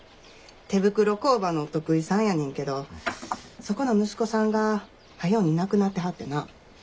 手袋工場のお得意さんやねんけどそこの息子さんがはように亡くなってはってな。